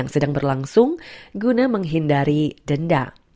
yang sedang berlangsung guna menghindari denda